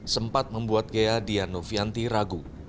sempat membuat ghea dianovianti ragu